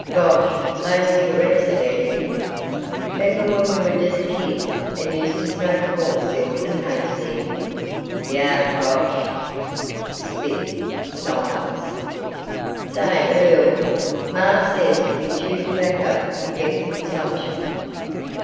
"Gosh, these cigarettes are dandy. 'Member when we were just kids, and used to smoke corn silk and hayseed?" "Yup. Gosh!" Spit. "Silence." "Say Earl, ma says if you chew tobacco you get consumption."